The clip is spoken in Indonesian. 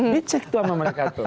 dicek tuh sama mereka tuh